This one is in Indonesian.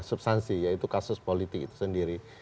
substansi yaitu kasus politik itu sendiri